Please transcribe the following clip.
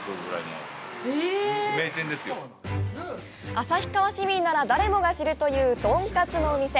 旭川市民なら誰もが知るというとんかつの名店。